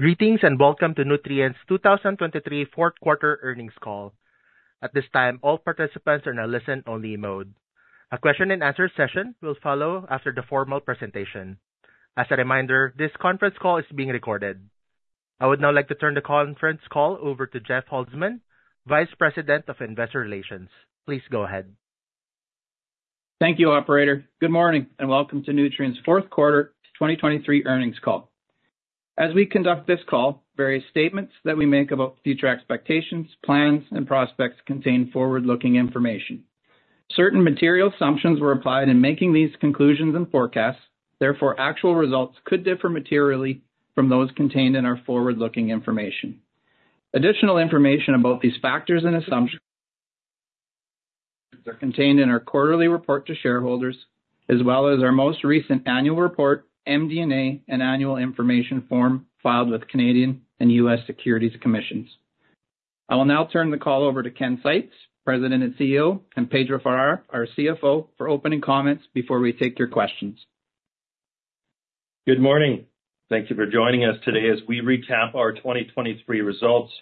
Greetings, and welcome to Nutrien's 2023 fourth quarter earnings call. At this time, all participants are in a listen-only mode. A question and answer session will follow after the formal presentation. As a reminder, this conference call is being recorded. I would now like to turn the conference call over to Jeff Holzman, Vice President of Investor Relations. Please go ahead. Thank you, operator. Good morning, and welcome to Nutrien's fourth quarter 2023 earnings call. As we conduct this call, various statements that we make about future expectations, plans, and prospects contain forward-looking information. Certain material assumptions were applied in making these conclusions and forecasts. Therefore, actual results could differ materially from those contained in our forward-looking information. Additional information about these factors and assumptions are contained in our quarterly report to shareholders, as well as our most recent annual report, MD&A, and Annual Information Form filed with Canadian and U.S. Securities Commissions. I will now turn the call over to Ken Seitz, President and CEO, and Pedro Farah, our CFO, for opening comments before we take your questions. Good morning. Thank you for joining us today as we recap our 2023 results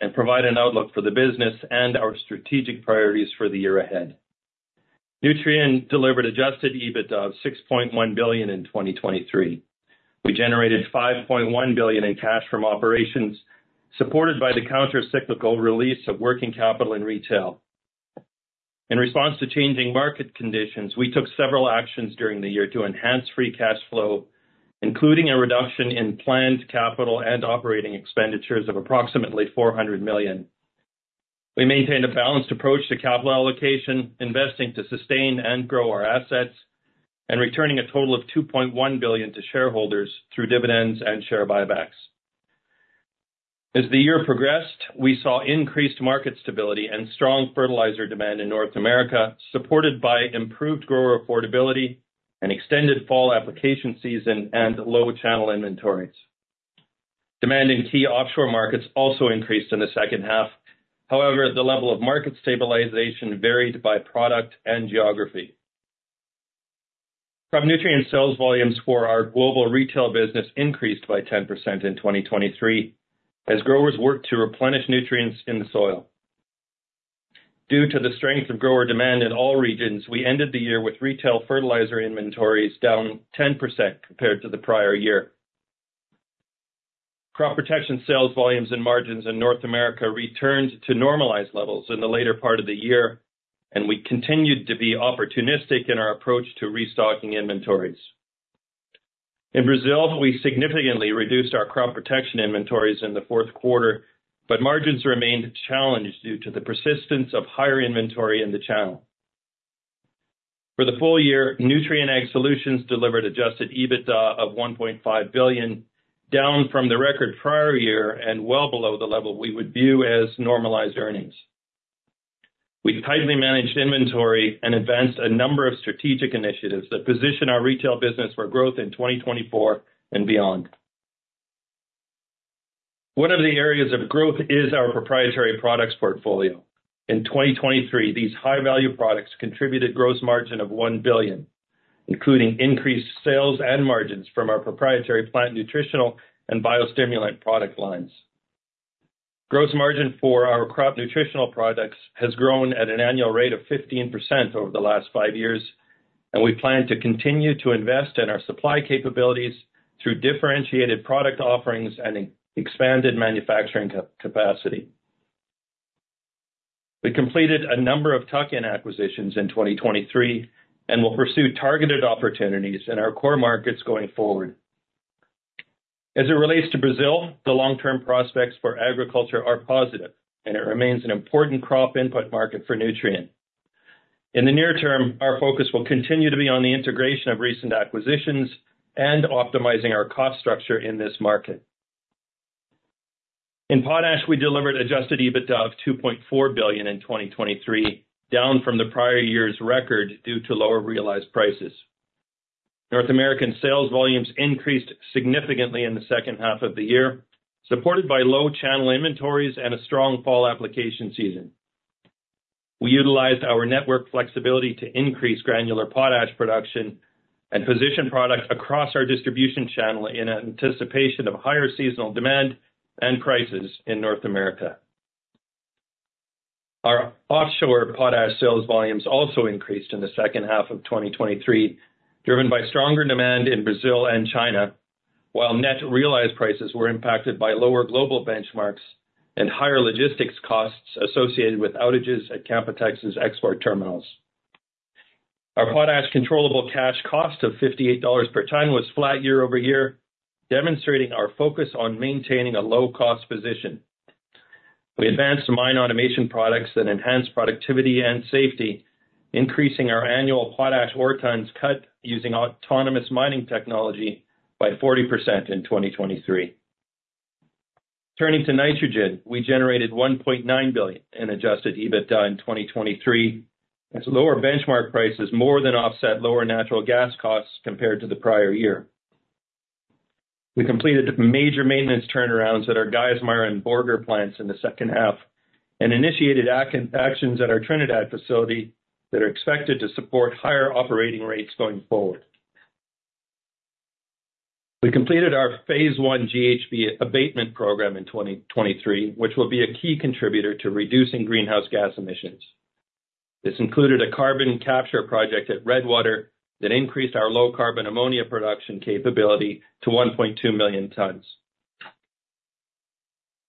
and provide an outlook for the business and our strategic priorities for the year ahead. Nutrien delivered adjusted EBITDA of $6.1 billion in 2023. We generated $5.1 billion in cash from operations, supported by the countercyclical release of working capital in retail. In response to changing market conditions, we took several actions during the year to enhance free cash flow, including a reduction in planned capital and operating expenditures of approximately $400 million. We maintained a balanced approach to capital allocation, investing to sustain and grow our assets, and returning a total of $2.1 billion to shareholders through dividends and share buybacks. As the year progressed, we saw increased market stability and strong fertilizer demand in North America, supported by improved grower affordability and extended fall application season and low channel inventories. Demand in key offshore markets also increased in the second half. However, the level of market stabilization varied by product and geography. Crop nutrient sales volumes for our global retail business increased by 10% in 2023, as growers worked to replenish nutrients in the soil. Due to the strength of grower demand in all regions, we ended the year with retail fertilizer inventories down 10% compared to the prior year. Crop protection sales volumes and margins in North America returned to normalized levels in the later part of the year, and we continued to be opportunistic in our approach to restocking inventories. In Brazil, we significantly reduced our crop protection inventories in the fourth quarter, but margins remained challenged due to the persistence of higher inventory in the channel. For the full year, Nutrien Ag Solutions delivered Adjusted EBITDA of $1.5 billion, down from the record prior year and well below the level we would view as normalized earnings. We tightly managed inventory and advanced a number of strategic initiatives that position our retail business for growth in 2024 and beyond. One of the areas of growth is our proprietary products portfolio. In 2023, these high-value products contributed gross margin of $1 billion, including increased sales and margins from our proprietary plant nutritional and biostimulant product lines. Gross margin for our crop nutritional products has grown at an annual rate of 15% over the last five years, and we plan to continue to invest in our supply capabilities through differentiated product offerings and expanded manufacturing capacity. We completed a number of tuck-in acquisitions in 2023 and will pursue targeted opportunities in our core markets going forward. As it relates to Brazil, the long-term prospects for agriculture are positive, and it remains an important crop input market for Nutrien. In the near term, our focus will continue to be on the integration of recent acquisitions and optimizing our cost structure in this market. In potash, we delivered adjusted EBITDA of $2.4 billion in 2023, down from the prior year's record due to lower realized prices. North American sales volumes increased significantly in the second half of the year, supported by low channel inventories and a strong fall application season. We utilized our network flexibility to increase granular potash production and position products across our distribution channel in anticipation of higher seasonal demand and prices in North America. Our offshore potash sales volumes also increased in the second half of 2023, driven by stronger demand in Brazil and China, while net realized prices were impacted by lower global benchmarks and higher logistics costs associated with outages at Canpotex export terminals. Our potash controllable cash cost of $58 per ton was flat year-over-year, demonstrating our focus on maintaining a low-cost position. We advanced mine automation products that enhance productivity and safety, increasing our annual potash ore tons cut using autonomous mining technology by 40% in 2023. Turning to nitrogen, we generated $1.9 billion in adjusted EBITDA in 2023, as lower benchmark prices more than offset lower natural gas costs compared to the prior year. We completed major maintenance turnarounds at our Geismar and Borger plants in the second half and initiated actions at our Trinidad facility that are expected to support higher operating rates going forward. We completed our phase I GHG abatement program in 2023, which will be a key contributor to reducing greenhouse gas emissions. This included a carbon capture project at Redwater that increased our low carbon ammonia production capability to 1.2 million tons.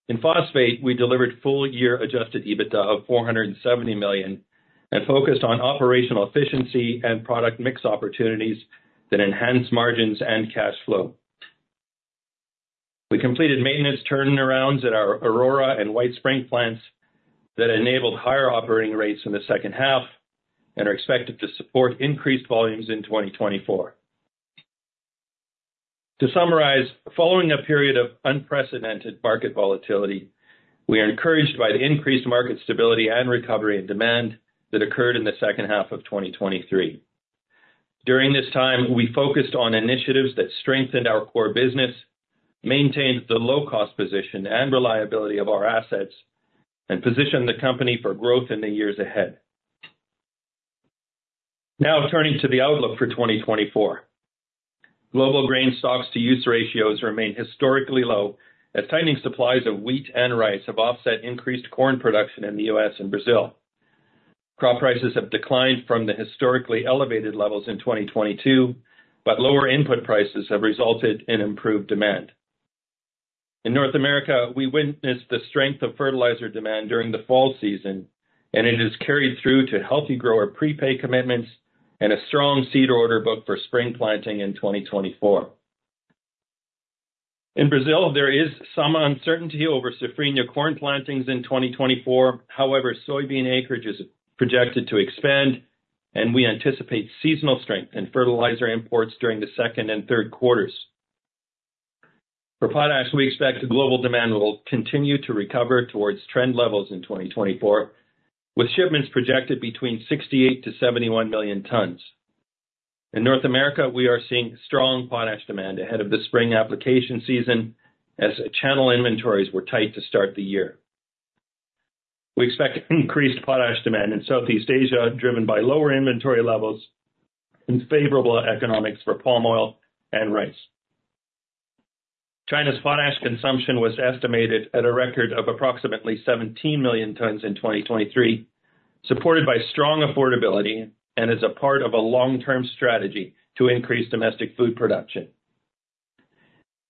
In phosphate, we delivered full year adjusted EBITDA of $470 million, and focused on operational efficiency and product mix opportunities that enhance margins and cash flow. We completed maintenance turnarounds at our Aurora and White Springs plants that enabled higher operating rates in the second half and are expected to support increased volumes in 2024. To summarize, following a period of unprecedented market volatility, we are encouraged by the increased market stability and recovery in demand that occurred in the second half of 2023. During this time, we focused on initiatives that strengthened our core business, maintained the low-cost position and reliability of our assets, and positioned the company for growth in the years ahead. Now turning to the outlook for 2024. Global grain stocks-to-use ratios remain historically low, as tightening supplies of wheat and rice have offset increased corn production in the U.S. and Brazil. Crop prices have declined from the historically elevated levels in 2022, but lower input prices have resulted in improved demand. In North America, we witnessed the strength of fertilizer demand during the fall season, and it has carried through to healthy grower prepay commitments and a strong seed order book for spring planting in 2024. In Brazil, there is some uncertainty over Safrinha corn plantings in 2024. However, soybean acreage is projected to expand, and we anticipate seasonal strength in fertilizer imports during the second and third quarters. For potash, we expect global demand will continue to recover towards trend levels in 2024, with shipments projected between 68-71 million tons. In North America, we are seeing strong potash demand ahead of the spring application season as channel inventories were tight to start the year. We expect increased potash demand in Southeast Asia, driven by lower inventory levels and favorable economics for palm oil and rice. China's potash consumption was estimated at a record of approximately 17 million tons in 2023, supported by strong affordability and is a part of a long-term strategy to increase domestic food production.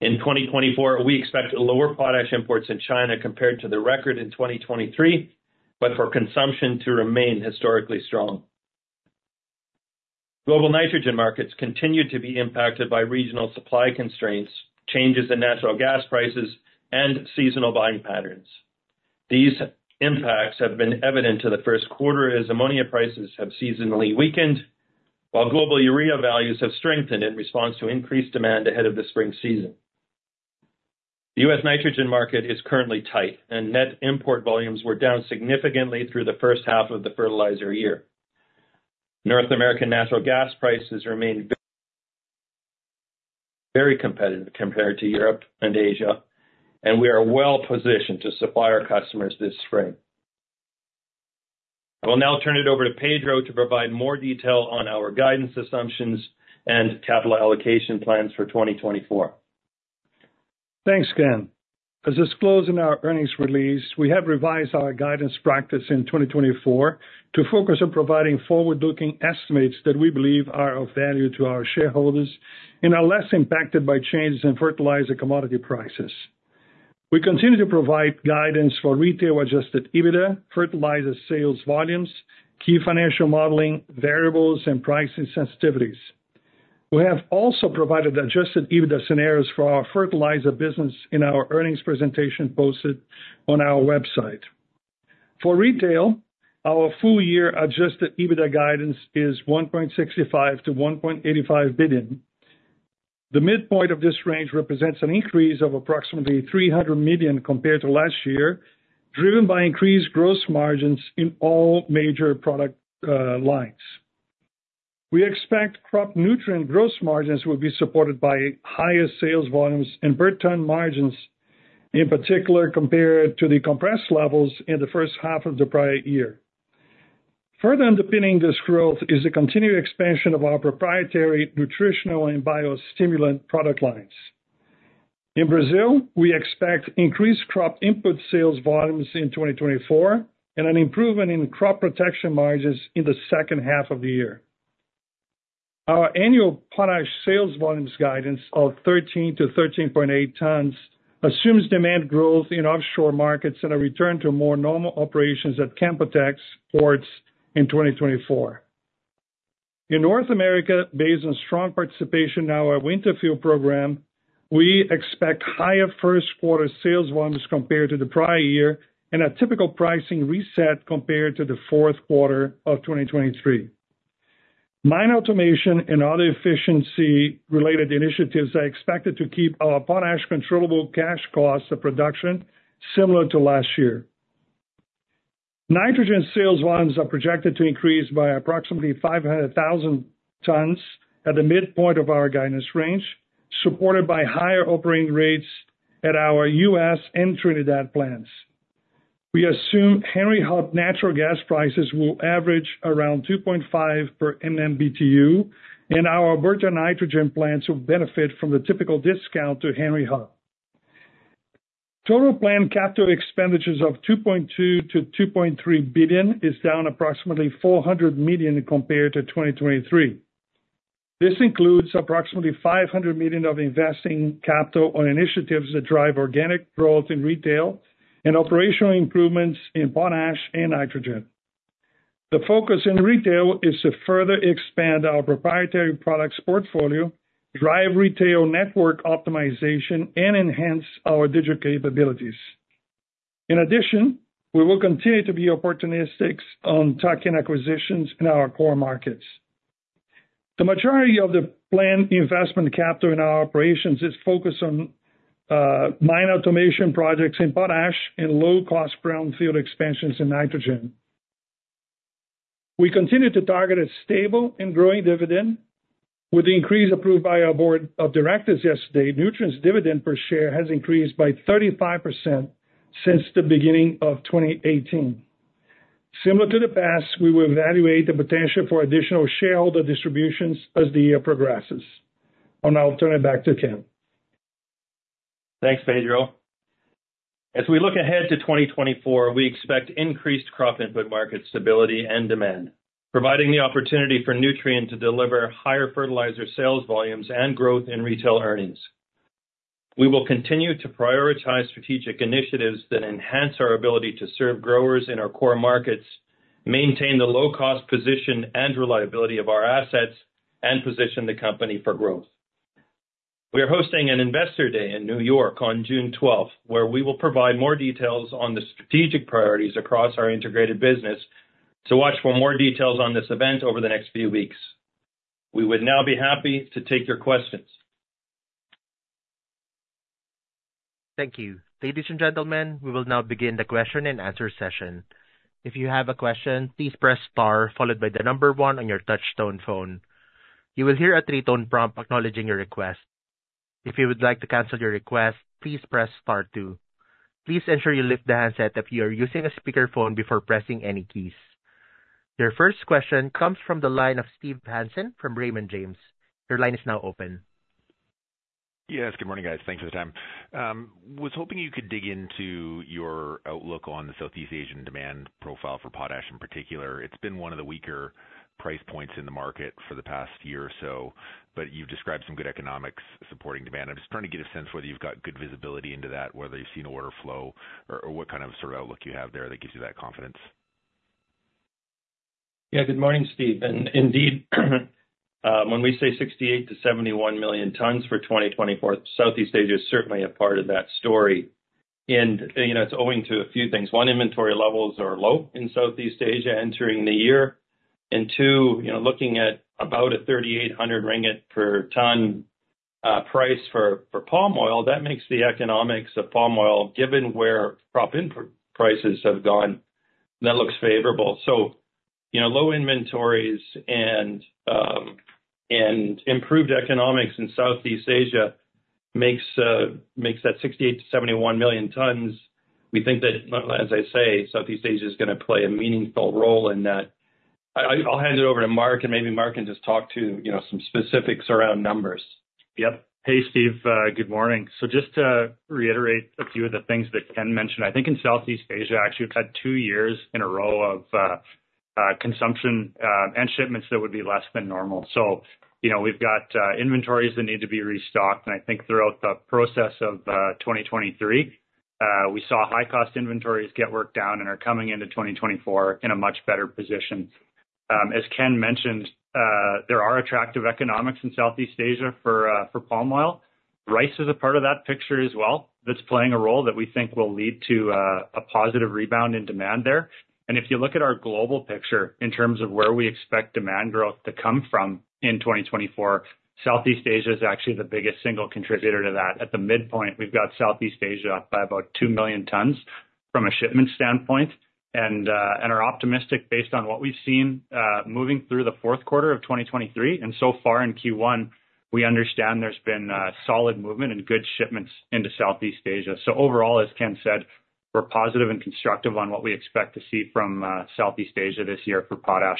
In 2024, we expect lower potash imports in China compared to the record in 2023, but for consumption to remain historically strong. Global nitrogen markets continue to be impacted by regional supply constraints, changes in natural gas prices, and seasonal buying patterns. These impacts have been evident to the first quarter, as ammonia prices have seasonally weakened, while global urea values have strengthened in response to increased demand ahead of the spring season. The U.S. nitrogen market is currently tight, and net import volumes were down significantly through the first half of the fertilizer year. North American natural gas prices remain very competitive compared to Europe and Asia, and we are well positioned to supply our customers this spring. I will now turn it over to Pedro to provide more detail on our guidance assumptions and capital allocation plans for 2024. Thanks, Ken. As disclosed in our earnings release, we have revised our guidance practice in 2024 to focus on providing forward-looking estimates that we believe are of value to our shareholders and are less impacted by changes in fertilizer commodity prices. We continue to provide guidance for retail Adjusted EBITDA, fertilizer sales volumes, key financial modeling variables, and pricing sensitivities. We have also provided Adjusted EBITDA scenarios for our fertilizer business in our earnings presentation posted on our website. For retail, our full-year Adjusted EBITDA guidance is $1.65 billion-$1.85 billion. The midpoint of this range represents an increase of approximately $300 million compared to last year, driven by increased gross margins in all major product lines. We expect crop nutrient gross margins will be supported by higher sales volumes and per ton margins, in particular, compared to the compressed levels in the first half of the prior year. Further underpinning this growth is the continued expansion of our proprietary nutritional and biostimulant product lines. In Brazil, we expect increased crop input sales volumes in 2024, and an improvement in crop protection margins in the second half of the year. Our annual potash sales volumes guidance of 13-13.8 tons assumes demand growth in offshore markets and a return to more normal operations at Canpotex ports in 2024. In North America, based on strong participation in our winter fill program, we expect higher first quarter sales volumes compared to the prior year and a typical pricing reset compared to the fourth quarter of 2023. Mine automation and other efficiency-related initiatives are expected to keep our potash controllable cash costs of production similar to last year. Nitrogen sales volumes are projected to increase by approximately 500,000 tons at the midpoint of our guidance range, supported by higher operating rates at our U.S. and Trinidad plants. We assume Henry Hub natural gas prices will average around 2.5 per MMBtu, and our Alberta nitrogen plants will benefit from the typical discount to Henry Hub. Total planned capital expenditures of $2.2 billion-$2.3 billion is down approximately $400 million compared to 2023. This includes approximately $500 million of investing capital on initiatives that drive organic growth in retail and operational improvements in potash and nitrogen. The focus in retail is to further expand our proprietary products portfolio, drive retail network optimization, and enhance our digital capabilities. In addition, we will continue to be opportunistic on tuck-in acquisitions in our core markets. The majority of the planned investment capital in our operations is focused on mine automation projects in potash and low-cost brownfield expansions in nitrogen. We continue to target a stable and growing dividend. With the increase approved by our board of directors yesterday, Nutrien's dividend per share has increased by 35% since the beginning of 2018. Similar to the past, we will evaluate the potential for additional shareholder distributions as the year progresses. I'll now turn it back to Ken. Thanks, Pedro. As we look ahead to 2024, we expect increased crop input market stability and demand, providing the opportunity for Nutrien to deliver higher fertilizer sales volumes and growth in retail earnings. We will continue to prioritize strategic initiatives that enhance our ability to serve growers in our core markets, maintain the low-cost position and reliability of our assets, and position the company for growth. We are hosting an investor day in New York on June 12, where we will provide more details on the strategic priorities across our integrated business. So watch for more details on this event over the next few weeks. We would now be happy to take your questions. Thank you. Ladies and gentlemen, we will now begin the question-and-answer session. If you have a question, please press star followed by the number one on your touchtone phone. You will hear a three-tone prompt acknowledging your request. If you would like to cancel your request, please press star two. Please ensure you lift the handset if you are using a speakerphone before pressing any keys. Your first question comes from the line of Steve Hansen from Raymond James. Your line is now open. Yes, good morning, guys. Thanks for the time. Was hoping you could dig into your outlook on the Southeast Asian demand profile for potash in particular. It's been one of the weaker price points in the market for the past year or so, but you've described some good economics supporting demand. I'm just trying to get a sense of whether you've got good visibility into that, whether you've seen order flow, or, or what kind of sort of outlook you have there that gives you that confidence. Yeah, good morning, Steve. Indeed, when we say 68-71 million tons for 2024, Southeast Asia is certainly a part of that story. And, you know, it's owing to a few things. One, inventory levels are low in Southeast Asia entering the year, and two, you know, looking at about 3,800 ringgit per ton price for palm oil, that makes the economics of palm oil, given where crop input prices have gone, that looks favorable. So, you know, low inventories and and improved economics in Southeast Asia makes that 68-71 million tons. We think that, as I say, Southeast Asia is gonna play a meaningful role in that. I'll hand it over to Mark, and maybe Mark can just talk to, you know, some specifics around numbers. Yep. Hey, Steve, good morning. Just to reiterate a few of the things that Ken mentioned, I think in Southeast Asia, actually, we've had two years in a row of consumption and shipments that would be less than normal. You know, we've got inventories that need to be restocked, and I think throughout the process of 2023, we saw high-cost inventories get worked down and are coming into 2024 in a much better position. As Ken mentioned, there are attractive economics in Southeast Asia for palm oil. Rice is a part of that picture as well that's playing a role that we think will lead to a positive rebound in demand there. And if you look at our global picture in terms of where we expect demand growth to come from in 2024, Southeast Asia is actually the biggest single contributor to that. At the midpoint, we've got Southeast Asia by about two million tons from a shipment standpoint, and, and are optimistic based on what we've seen, moving through the fourth quarter of 2023. And so far in Q1, we understand there's been, solid movement and good shipments into Southeast Asia. So overall, as Ken said, we're positive and constructive on what we expect to see from, Southeast Asia this year for potash.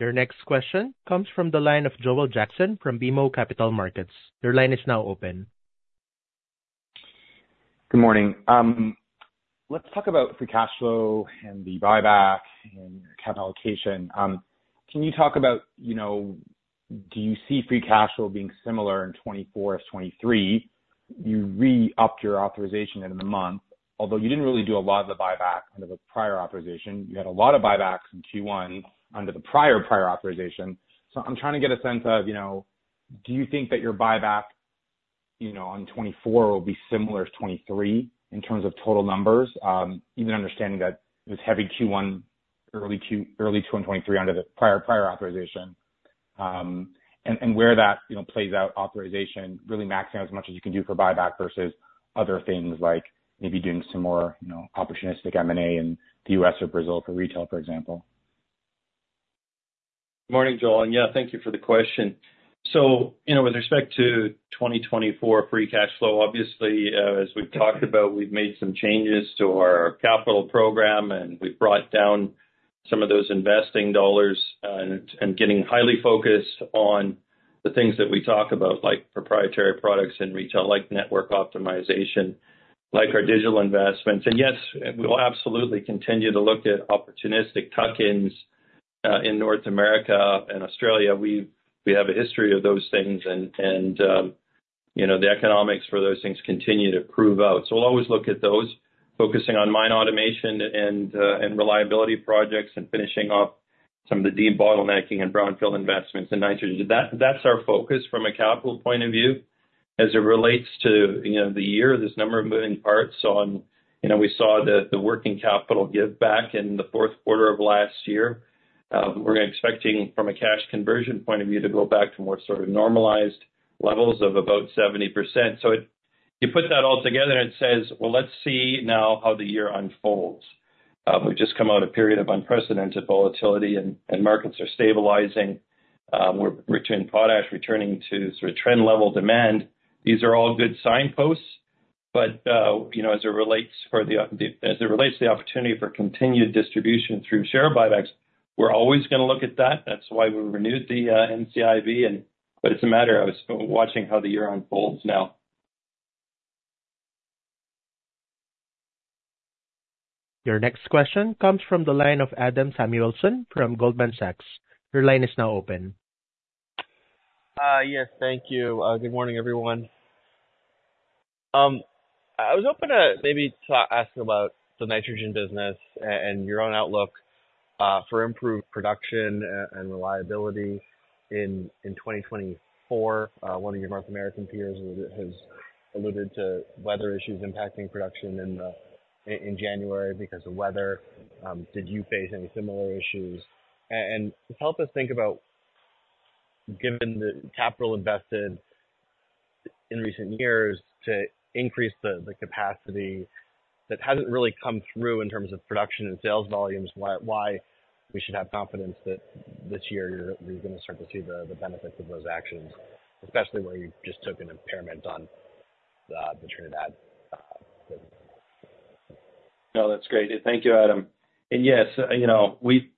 Your next question comes from the line of Joel Jackson from BMO Capital Markets. Your line is now open. Good morning. Let's talk about free cash flow and the buyback and capital allocation. Can you talk about, you know, do you see free cash flow being similar in 2024 as 2023? You re-upped your authorization in the month, although you didn't really do a lot of the buyback under the prior authorization. You had a lot of buybacks in Q1 under the prior, prior authorization. So I'm trying to get a sense of, you know, do you think that your buyback, you know, on 2024 will be similar to 2023 in terms of total numbers, even understanding that this heavy Q1, early Q1 2023 under the prior authorization, and where that, you know, plays out authorization, really maxing out as much as you can do for buyback versus other things like maybe doing some more, you know, opportunistic M&A in the U.S. or Brazil for retail, for example? Good morning, Joel. Yeah, thank you for the question. So, you know, with respect to 2024 free cash flow, obviously, as we've talked about, we've made some changes to our capital program, and we've brought down some of those investing dollars, and getting highly focused on the things that we talk about, like proprietary products in retail, like network optimization, like our digital investments. And yes, we'll absolutely continue to look at opportunistic tuck-ins in North America and Australia. We have a history of those things, and you know, the economics for those things continue to prove out. So we'll always look at those, focusing on mine automation and reliability projects and finishing off some of the debottlenecking and brownfield investments in nitrogen. That's our focus from a capital point of view. As it relates to, you know, the year, there's a number of moving parts on. You know, we saw the working capital give back in the fourth quarter of last year. We're expecting from a cash conversion point of view, to go back to more sort of normalized levels of about 70%. So you put that all together and it says, well, let's see now how the year unfolds. We've just come out of a period of unprecedented volatility and markets are stabilizing. We're returning potash, returning to sort of trend level demand. These are all good signposts, but you know, as it relates to the opportunity for continued distribution through share buybacks, we're always gonna look at that. That's why we renewed the NCIB. But it's a matter of watching how the year unfolds now. Your next question comes from the line of Adam Samuelson from Goldman Sachs. Your line is now open. Yes, thank you. Good morning, everyone. I was hoping to maybe ask about the nitrogen business and your own outlook for improved production and reliability in 2024. One of your North American peers has alluded to weather issues impacting production in January because of weather. Did you face any similar issues? And help us think about, given the capital invested in recent years to increase the capacity, that hasn't really come through in terms of production and sales volumes, why we should have confidence that this year you're gonna start to see the benefits of those actions, especially where you just took an impairment on the Trinidad business. No, that's great. Thank you, Adam. And yes, you know, we,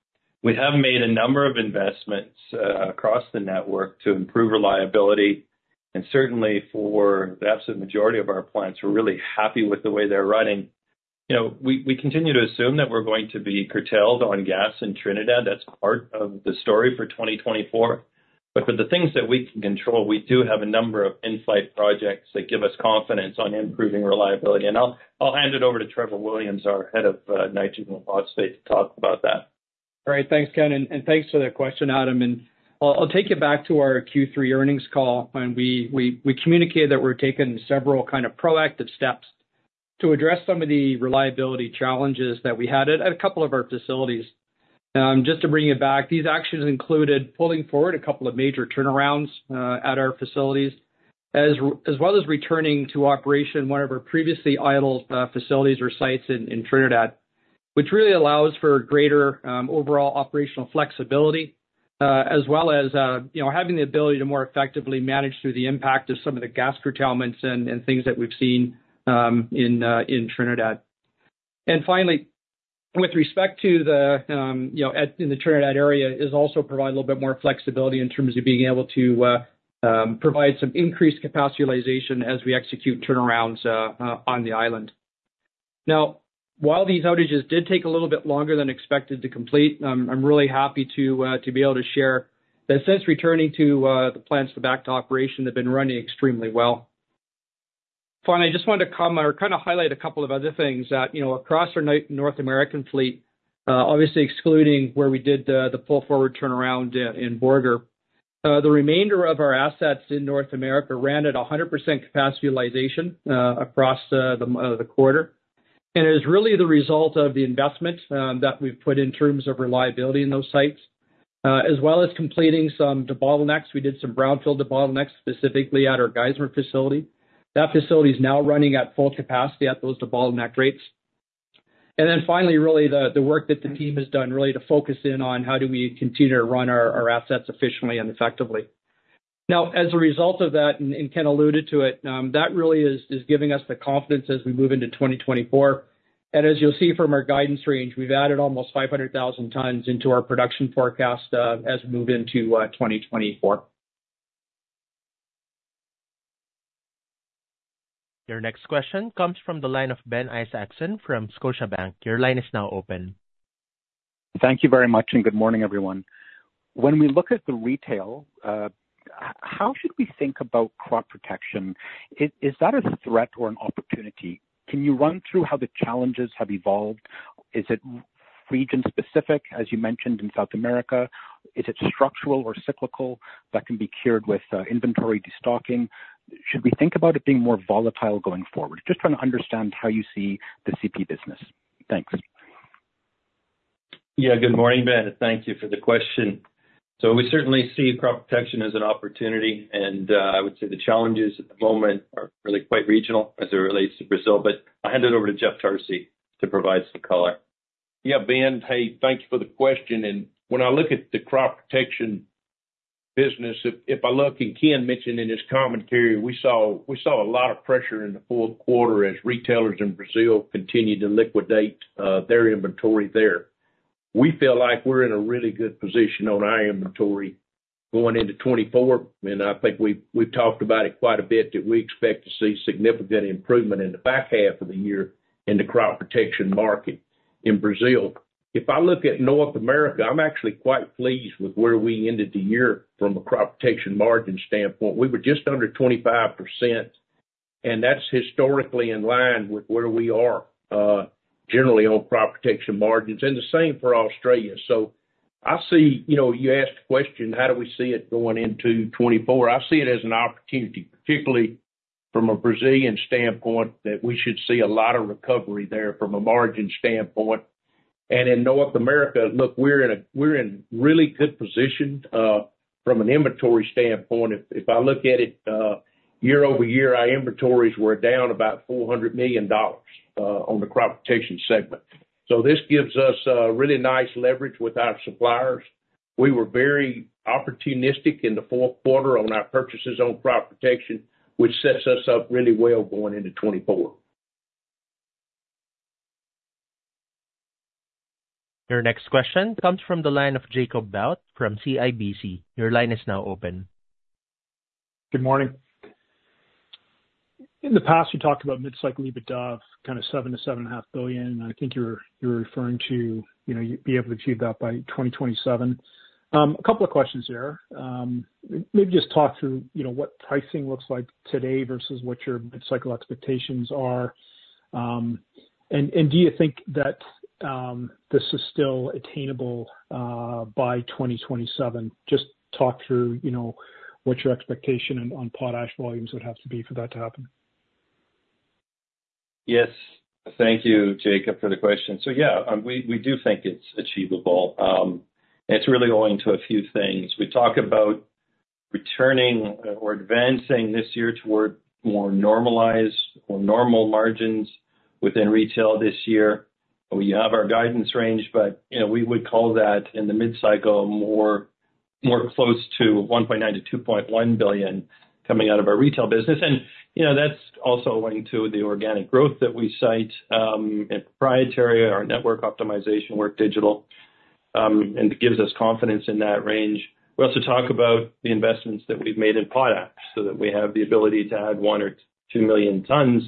we have made a number of investments across the network to improve reliability, and certainly for the absolute majority of our plants, we're really happy with the way they're running. You know, we, we continue to assume that we're going to be curtailed on gas in Trinidad. That's part of the story for 2024. But for the things that we can control, we do have a number of in-flight projects that give us confidence on improving reliability. And I'll hand it over to Trevor Williams, our head of Nitrogen and Phosphate, to talk about that. All right, thanks, Ken, and thanks for the question, Adam. I'll take you back to our Q3 earnings call when we communicated that we're taking several kind of proactive steps to address some of the reliability challenges that we had at a couple of our facilities. Just to bring it back, these actions included pulling forward a couple of major turnarounds at our facilities, as well as returning to operation one of our previously idle facilities or sites in Trinidad, which really allows for greater overall operational flexibility, as well as you know, having the ability to more effectively manage through the impact of some of the gas curtailments and things that we've seen in Trinidad. And finally, with respect to you know, in the Trinidad area, it also provides a little bit more flexibility in terms of being able to provide some increased capacity utilization as we execute turnarounds on the island. Now, while these outages did take a little bit longer than expected to complete, I'm really happy to be able to share that since returning the plants back to operation, they've been running extremely well. Finally, I just wanted to comment on or kind of highlight a couple of other things that you know, across our North American fleet, obviously excluding where we did the pull-forward turnaround in Borger. The remainder of our assets in North America ran at 100% capacity utilization across the quarter. It is really the result of the investment that we've put in terms of reliability in those sites, as well as completing some debottlenecks. We did some brownfield debottlenecks, specifically at our Geismar facility. That facility is now running at full capacity at those debottleneck rates. And then finally, really, the work that the team has done really to focus in on how do we continue to run our assets efficiently and effectively. Now, as a result of that, and Ken alluded to it, that really is giving us the confidence as we move into 2024. And as you'll see from our guidance range, we've added almost 500,000 tons into our production forecast, as we move into 2024. Your next question comes from the line of Ben Isaacson from Scotiabank. Your line is now open. Thank you very much, and good morning, everyone. When we look at the retail, how should we think about crop protection? Is that a threat or an opportunity? Can you run through how the challenges have evolved? Is it region specific, as you mentioned, in South America, is it structural or cyclical that can be cured with, inventory destocking? Should we think about it being more volatile going forward? Just trying to understand how you see the CP business. Thanks. Yeah, good morning, Ben, and thank you for the question. So we certainly see crop protection as an opportunity, and, I would say the challenges at the moment are really quite regional as it relates to Brazil, but I'll hand it over to Jeff Tarsi to provide some color. Yeah, Ben, hey, thank you for the question, and when I look at the crop protection business, if I look, and Ken mentioned in his commentary, we saw a lot of pressure in the fourth quarter as retailers in Brazil continued to liquidate their inventory there. We feel like we're in a really good position on our inventory going into 2024, and I think we've talked about it quite a bit, that we expect to see significant improvement in the back half of the year in the crop protection market in Brazil. If I look at North America, I'm actually quite pleased with where we ended the year from a crop protection margin standpoint. We were just under 25%, and that's historically in line with where we are generally on crop protection margins, and the same for Australia. So I see, you know, you asked the question, how do we see it going into 2024? I see it as an opportunity, particularly from a Brazilian standpoint, that we should see a lot of recovery there from a margin standpoint. And in North America, look, we're in really good position from an inventory standpoint. If I look at it year-over-year, our inventories were down about $400 million on the crop protection segment. So this gives us really nice leverage with our suppliers. We were very opportunistic in the fourth quarter on our purchases on crop protection, which sets us up really well going into 2024. Your next question comes from the line of Jacob Bout from CIBC. Your line is now open. Good morning. In the past, you talked about mid-cycle EBITDA, kind of $7 billion-$7.5 billion. I think you were, you were referring to, you know, you'd be able to achieve that by 2027. A couple of questions here. Maybe just talk through, you know, what pricing looks like today versus what your mid-cycle expectations are. And do you think that this is still attainable by 2027? Just talk through, you know, what your expectation on potash volumes would have to be for that to happen. Yes. Thank you, Jacob, for the question. So yeah, we do think it's achievable. It's really owing to a few things. We talk about returning or advancing this year toward more normalized or normal margins within retail this year. We have our guidance range, but, you know, we would call that in the mid-cycle, more close to $1.9 billion-$2.1 billion coming out of our retail business. And, you know, that's also owing to the organic growth that we cite, and proprietary, our network optimization, work digital, and it gives us confidence in that range. We also talk about the investments that we've made in potash, so that we have the ability to add one or two million tons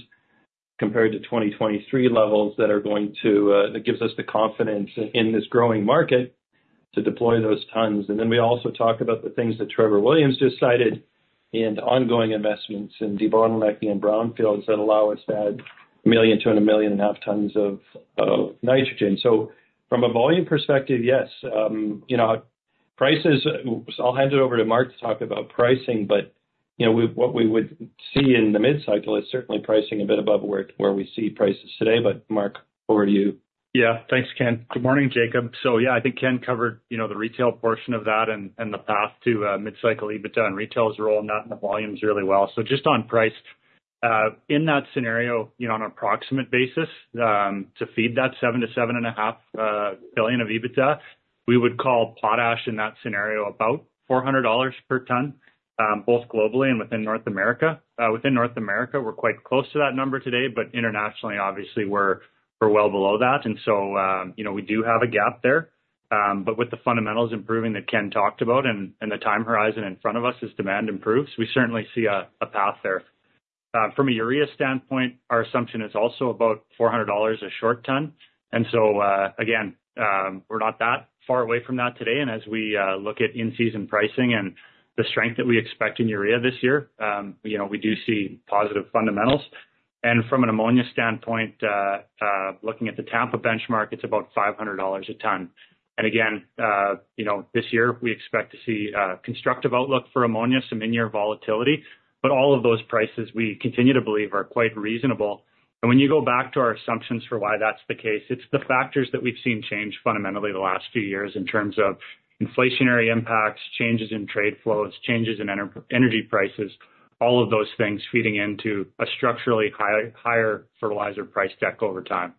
compared to 2023 levels that are going to, that gives us the confidence in this growing market to deploy those tons. And then we also talk about the things that Trevor Williams just cited in ongoing investments in debottlenecks and brownfields, that allow us to add one million to 1.5 million tons of, of nitrogen. So from a volume perspective, yes, you know, prices. I'll hand it over to Mark to talk about pricing, but, you know, what we would see in the mid-cycle is certainly pricing a bit above where, where we see prices today. But Mark, over to you. Yeah. Thanks, Ken. Good morning, Jacob. So yeah, I think Ken covered, you know, the retail portion of that and, and the path to mid-cycle EBITDA and retail's role, not in the volumes really well. So just on price, in that scenario, you know, on an approximate basis, to feed that $7 billion-$7.5 billion of EBITDA, we would call potash in that scenario about $400 per ton, both globally and within North America. Within North America, we're quite close to that number today, but internationally, obviously, we're, we're well below that. And so, you know, we do have a gap there, but with the fundamentals improving that Ken talked about, and, and the time horizon in front of us, as demand improves, we certainly see a path there. From a urea standpoint, our assumption is also about $400 a short ton. So, again, we're not that far away from that today. And as we look at in-season pricing and the strength that we expect in urea this year, you know, we do see positive fundamentals. And from an ammonia standpoint, looking at the Tampa benchmark, it's about $500 a ton. And again, you know, this year, we expect to see a constructive outlook for ammonia, some in-year volatility, but all of those prices, we continue to believe, are quite reasonable. When you go back to our assumptions for why that's the case, it's the factors that we've seen change fundamentally the last few years in terms of inflationary impacts, changes in trade flows, changes in energy prices, all of those things feeding into a structurally higher fertilizer price deck over time.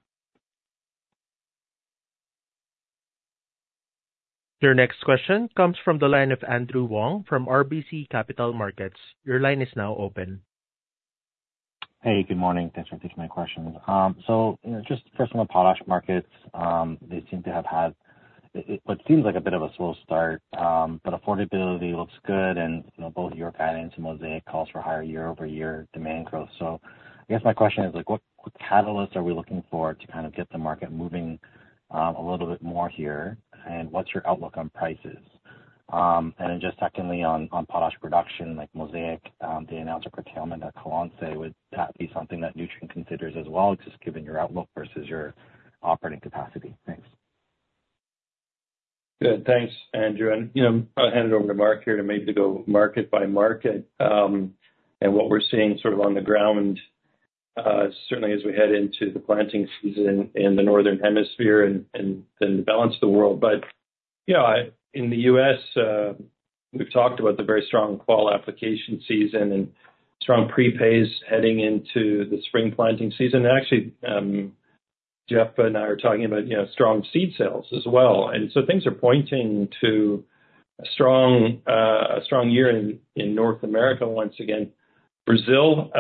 Your next question comes from the line of Andrew Wong from RBC Capital Markets. Your line is now open. Hey, good morning. Thanks for taking my questions. So, you know, just first on the potash markets, they seem to have had what seems like a bit of a slow start, but affordability looks good, and, you know, both your guidance and Mosaic calls for higher year-over-year demand growth. So I guess my question is, like, what, what catalyst are we looking for to kind of get the market moving a little bit more here? And what's your outlook on prices? And then just secondly, on potash production, like Mosaic, they announced a curtailment at Colonsay. Would that be something that Nutrien considers as well, just given your outlook versus your operating capacity? Thanks. Good. Thanks, Andrew. And, you know, I'll hand it over to Mark here to maybe go market by market. And what we're seeing sort of on the ground, certainly as we head into the planting season in the Northern Hemisphere and the balance of the world. But, you know, in the U.S., we've talked about the very strong fall application season and strong prepays heading into the spring planting season. And actually, Jeff and I are talking about, you know, strong seed sales as well. And so things are pointing to a strong, a strong year in North America once again. Brazil,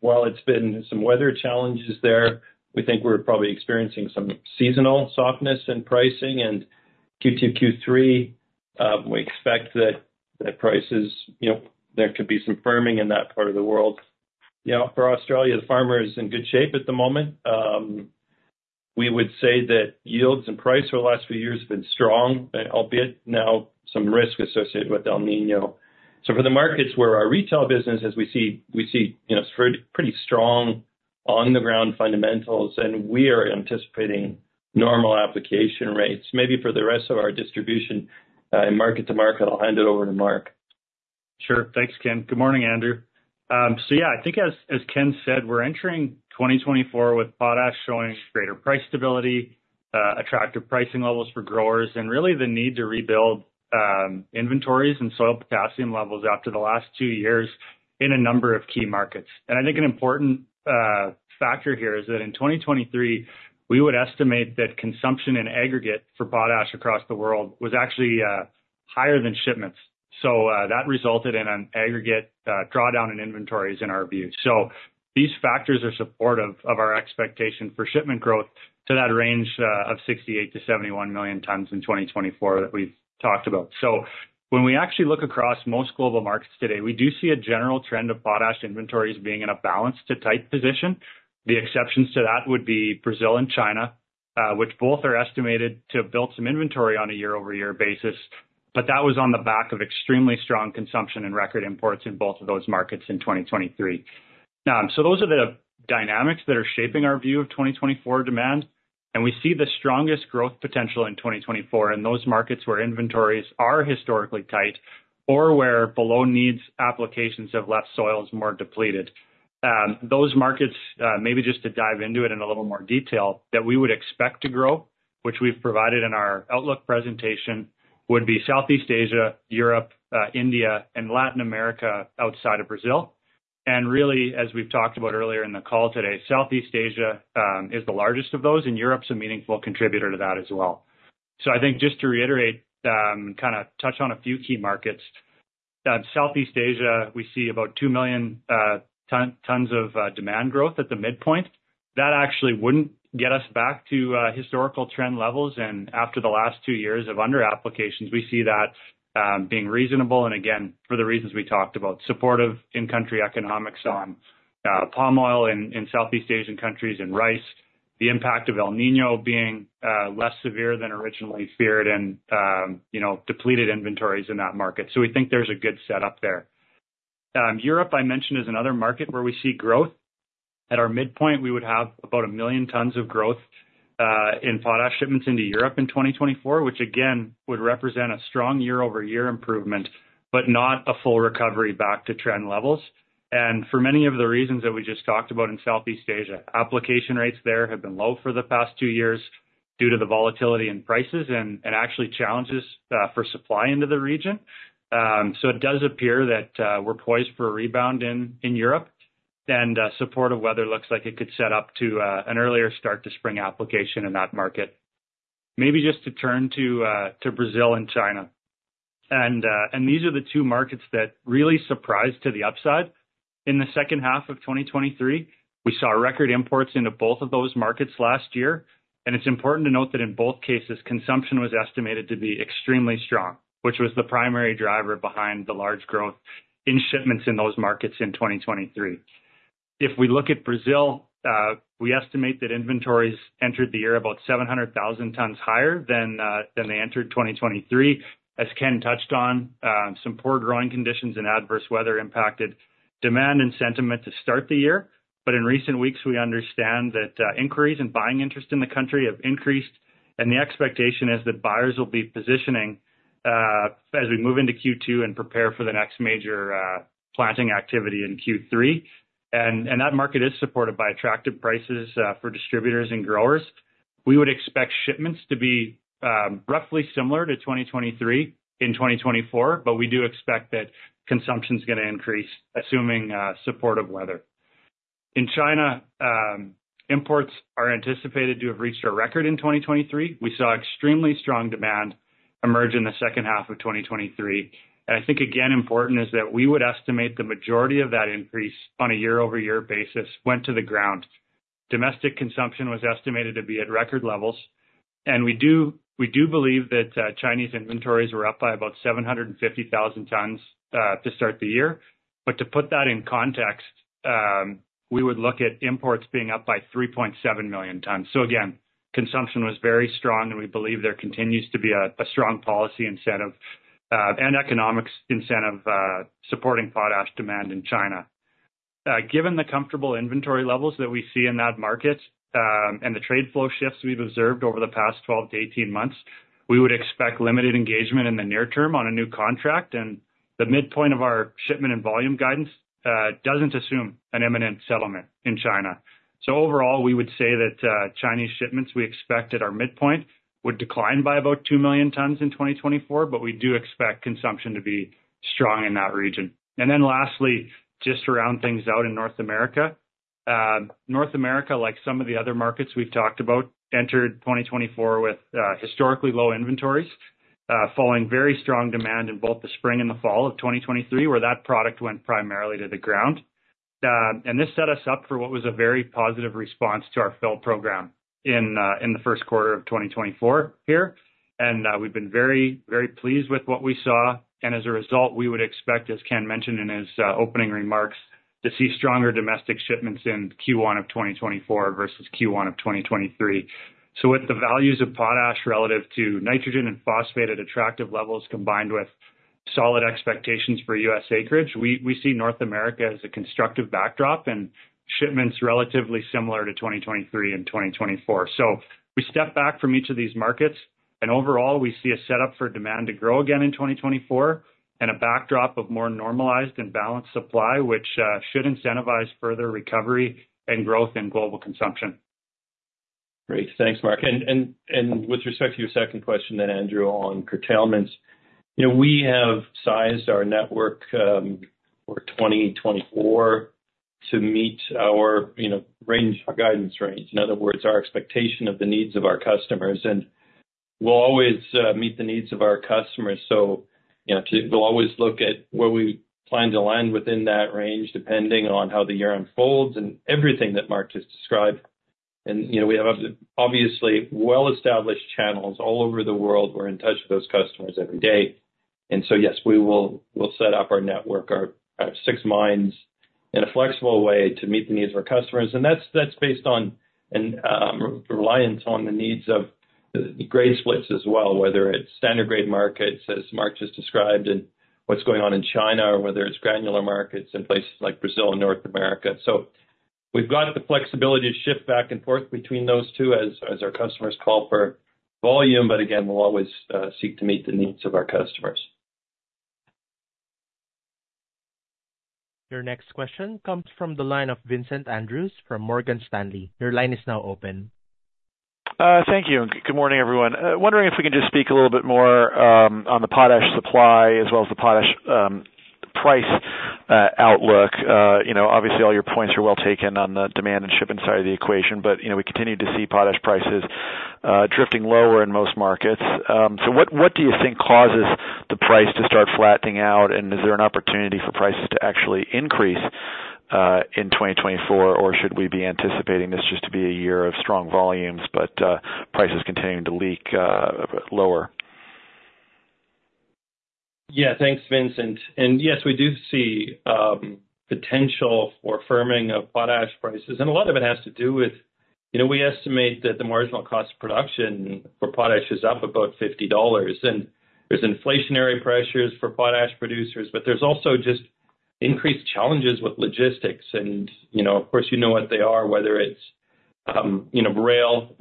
while it's been some weather challenges there, we think we're probably experiencing some seasonal softness in pricing. Q2, Q3, we expect that prices, you know, there could be some firming in that part of the world. You know, for Australia, the farmer is in good shape at the moment. We would say that yields and price over the last few years have been strong, albeit now some risk associated with El Niño. So for the markets where our retail business, as we see, we see, you know, pretty strong on the ground fundamentals, and we are anticipating normal application rates. Maybe for the rest of our distribution, in market to market, I'll hand it over to Mark. Sure. Thanks, Ken. Good morning, Andrew. So yeah, I think as, as Ken said, we're entering 2024 with potash showing greater price stability, attractive pricing levels for growers, and really the need to rebuild inventories and soil potassium levels after the last two years in a number of key markets. And I think an important factor here is that in 2023, we would estimate that consumption in aggregate for potash across the world was actually higher than shipments. So that resulted in an aggregate drawdown in inventories, in our view. So these factors are supportive of our expectation for shipment growth to that range of 68-71 million tons in 2024 that we've talked about. So when we actually look across most global markets today, we do see a general trend of potash inventories being in a balanced to tight position. The exceptions to that would be Brazil and China, which both are estimated to have built some inventory on a year-over-year basis, but that was on the back of extremely strong consumption and record imports in both of those markets in 2023. So those are the dynamics that are shaping our view of 2024 demand, and we see the strongest growth potential in 2024 in those markets where inventories are historically tight or where below-needs applications have left soils more depleted. Those markets, maybe just to dive into it in a little more detail, that we would expect to grow, which we've provided in our outlook presentation, would be Southeast Asia, Europe, India, and Latin America, outside of Brazil. And really, as we've talked about earlier in the call today, Southeast Asia is the largest of those, and Europe's a meaningful contributor to that as well. So I think just to reiterate, and kind of touch on a few key markets, Southeast Asia, we see about two million tons of demand growth at the midpoint. That actually wouldn't get us back to historical trend levels. And after the last two years of underapplications, we see that being reasonable, and again, for the reasons we talked about, supportive in-country economics on palm oil in Southeast Asian countries and rice, the impact of El Niño being less severe than originally feared and, you know, depleted inventories in that market. So we think there's a good setup there. Europe, I mentioned, is another market where we see growth. At our midpoint, we would have about 1 million tons of growth in potash shipments into Europe in 2024, which again would represent a strong year-over-year improvement, but not a full recovery back to trend levels. And for many of the reasons that we just talked about in Southeast Asia, application rates there have been low for the past two years due to the volatility in prices and actually challenges for supply into the region. So it does appear that we're poised for a rebound in Europe, and supportive weather looks like it could set up to an earlier start to spring application in that market. Maybe just to turn to Brazil and China, and these are the two markets that really surprised to the upside. In the second half of 2023, we saw record imports into both of those markets last year, and it's important to note that in both cases, consumption was estimated to be extremely strong, which was the primary driver behind the large growth in shipments in those markets in 2023. If we look at Brazil, we estimate that inventories entered the year about 700,000 tons higher than they entered 2023. As Ken touched on, some poor growing conditions and adverse weather impacted demand and sentiment to start the year. But in recent weeks, we understand that inquiries and buying interest in the country have increased, and the expectation is that buyers will be positioning as we move into Q2 and prepare for the next major planting activity in Q3. that market is supported by attractive prices for distributors and growers. We would expect shipments to be roughly similar to 2023 in 2024, but we do expect that consumption is gonna increase, assuming supportive weather. In China, imports are anticipated to have reached a record in 2023. We saw extremely strong demand emerge in the second half of 2023. And I think, again, important is that we would estimate the majority of that increase on a year-over-year basis went to the ground. Domestic consumption was estimated to be at record levels, and we do believe that Chinese inventories were up by about 750,000 tons to start the year. But to put that in context, we would look at imports being up by 3.7 million tons. So again consumption was very strong, and we believe there continues to be a strong policy incentive and economics incentive supporting potash demand in China. Given the comfortable inventory levels that we see in that market, and the trade flow shifts we've observed over the past 12-18 months, we would expect limited engagement in the near term on a new contract. And the midpoint of our shipment and volume guidance doesn't assume an imminent settlement in China. So overall, we would say that Chinese shipments, we expect at our midpoint, would decline by about two million tons in 2024, but we do expect consumption to be strong in that region. And then lastly, just to round things out in North America. North America, like some of the other markets we've talked about, entered 2024 with historically low inventories, following very strong demand in both the spring and the fall of 2023, where that product went primarily to the ground. This set us up for what was a very positive response to our fill program in the first quarter of 2024 here. We've been very, very pleased with what we saw. As a result, we would expect, as Ken mentioned in his opening remarks, to see stronger domestic shipments in Q1 of 2024 versus Q1 of 2023. So with the values of potash relative to nitrogen and phosphate at attractive levels, combined with solid expectations for U.S. acreage, we see North America as a constructive backdrop and shipments relatively similar to 2023 and 2024. So we step back from each of these markets, and overall, we see a setup for demand to grow again in 2024, and a backdrop of more normalized and balanced supply, which should incentivize further recovery and growth in global consumption. Great. Thanks, Mark. And with respect to your second question then, Andrew, on curtailments, you know, we have sized our network for 2024 to meet our, you know, range, our guidance range. In other words, our expectation of the needs of our customers. And we'll always meet the needs of our customers, so, you know, we'll always look at where we plan to land within that range, depending on how the year unfolds and everything that Mark just described. And, you know, we have obviously well-established channels all over the world. We're in touch with those customers every day. And so, yes, we'll set up our network, our, our six mines in a flexible way to meet the needs of our customers. That's based on a reliance on the needs of the grade splits as well, whether it's standard grade markets, as Mark just described, and what's going on in China, or whether it's granular markets in places like Brazil and North America. We've got the flexibility to shift back and forth between those two as our customers call for volume, but again, we'll always seek to meet the needs of our customers. Your next question comes from the line of Vincent Andrews from Morgan Stanley. Your line is now open. Thank you, and good morning, everyone. Wondering if we can just speak a little bit more on the potash supply as well as the potash price outlook. You know, obviously, all your points are well taken on the demand and shipping side of the equation, but, you know, we continue to see potash prices drifting lower in most markets. So what do you think causes the price to start flattening out? And is there an opportunity for prices to actually increase in 2024? Or should we be anticipating this just to be a year of strong volumes, but prices continuing to leak lower? Yeah, thanks, Vincent. And yes, we do see potential for firming of potash prices, and a lot of it has to do with, you know, we estimate that the marginal cost of production for potash is up about $50. And there's inflationary pressures for potash producers, but there's also just increased challenges with logistics. And, you know, of course, you know what they are, whether it's, you know, rail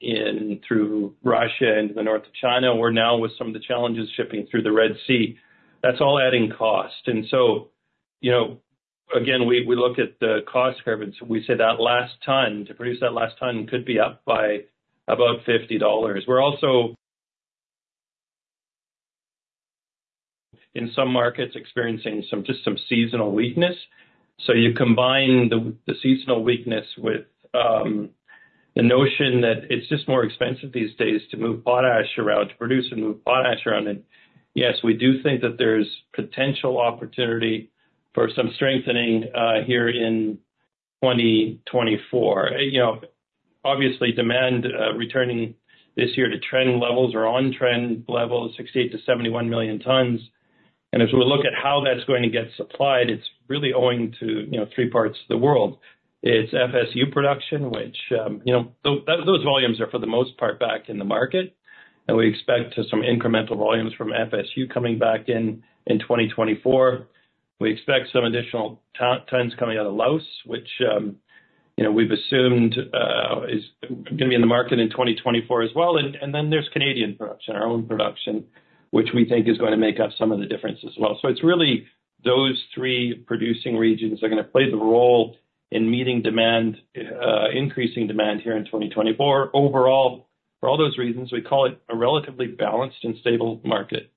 in through Russia into the north of China. We're now with some of the challenges shipping through the Red Sea. That's all adding cost. And so, you know, again, we look at the cost curve, and we say that last ton, to produce that last ton could be up by about $50. We're also in some markets experiencing some just some seasonal weakness. So you combine the seasonal weakness with the notion that it's just more expensive these days to move potash around, to produce and move potash around, and yes, we do think that there's potential opportunity for some strengthening here in 2024. You know, obviously, demand returning this year to trend levels or on trend levels, 68-71 million tons. And as we look at how that's going to get supplied, it's really owing to, you know, three parts of the world. It's FSU production, which, you know, those volumes are, for the most part, back in the market, and we expect some incremental volumes from FSU coming back in in 2024. We expect some additional tons coming out of Laos, which, you know, we've assumed is gonna be in the market in 2024 as well. And then there's Canadian production, our own production, which we think is going to make up some of the difference as well. So it's really those three producing regions are gonna play the role in meeting demand, increasing demand here in 2024. Overall, for all those reasons, we call it a relatively balanced and stable market.